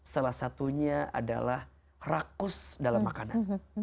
salah satunya adalah rakus dalam makanan